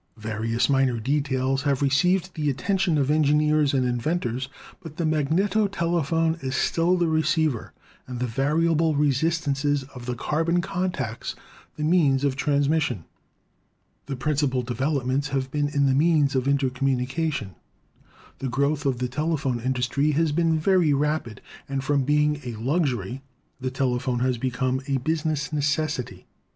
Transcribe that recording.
Various minor details have received the attention of en gineers and inventors, but the magneto telephone is still the receiver and the variable resistances of the carbon contacts the means of transmission. The principal developments have been in the means THE TELEPHONE 279 of intercommunication. The growth of the telephone industry has been very rapid, and from being a luxury the telephone has become a business necessity.